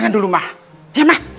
desa ini rumahnya pak udo